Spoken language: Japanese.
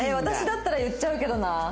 私だったら言っちゃうけどな。